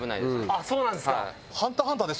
あっそうなんですか。